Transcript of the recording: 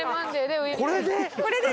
これで！？